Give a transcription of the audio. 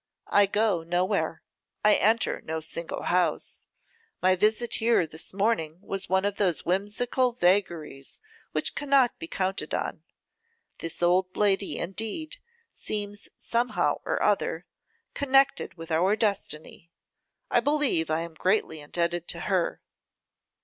I go nowhere, I enter no single house; my visit here this morning was one of those whimsical vagaries which cannot be counted on. This old lady indeed seems, somehow or other, connected with our destiny. I believe I am greatly indebted to her.